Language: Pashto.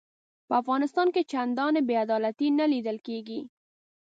په افغانستان کې چنداني بې عدالتي نه لیده کیږي.